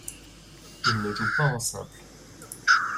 Il ne joue pas en simple.